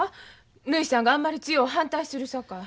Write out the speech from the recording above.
ぬひさんがあんまり強う反対するさかい。